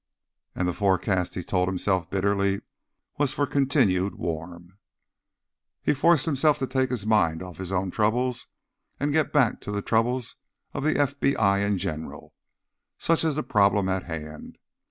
And the forecast, he told himself bitterly, was for continued warm. He forced himself to take his mind off his own troubles and get back to the troubles of the FBI in general, such as the problem at hand.